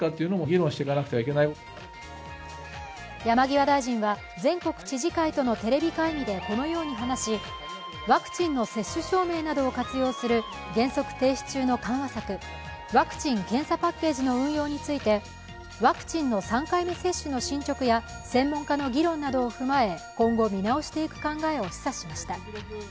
山際大臣は全国知事会とのテレビ会議でこのように話し、ワクチンの接種証明などを活用する原則停止中の緩和策、ワクチン・検査パッケージの運用についてワクチンの３回目接種の進捗や専門家の議論などを踏まえ今後見直していく考えを示唆しました。